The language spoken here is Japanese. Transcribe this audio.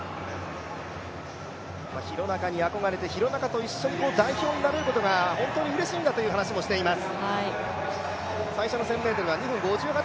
廣中に憧れて、廣中と一緒に代表になれることが本当にうれしいんだという話もしています。